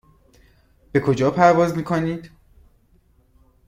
به کجا پرواز میکنید؟